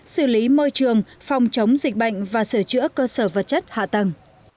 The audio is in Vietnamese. xử lý môi trường phòng chống dịch bệnh và sửa chữa cơ sở vật chất hạ tầng